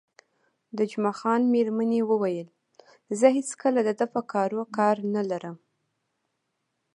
د جمعه خان میرمنې وویل: زه هېڅکله د ده په کارو کار نه لرم.